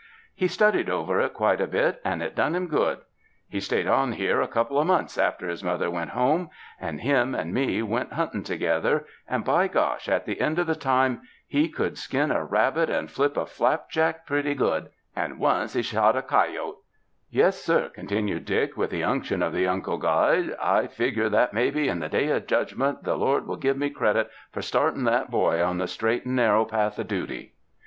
He studied over it quite a bit and it done him good. He stayed on here a couple of months after his mother went home, and him and me went hunting together, and, by gosh, at the end of the time, he could skin a rabbit and flip a flapjack pretty 82 THE MOUNTAINS good, and once he shot a ky ote. Yes, sir," con liniied Dick, with the unction of the unco guid, "I Hgure that mebbe in the Day of Judgment, the Lord will give me credit for startin' that boy on the straight and narrow path of duty."